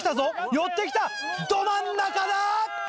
寄ってきたど真ん中だ！